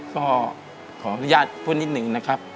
ก็ขออนุญาตพูดนิดหนึ่งนะครับ